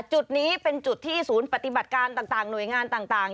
จุดนี้เป็นจุดที่ศูนย์ปฏิบัติการต่างหน่วยงานต่าง